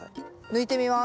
抜いてみます。